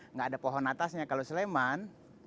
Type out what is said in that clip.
nggak ada pohon atasnya kalau sleman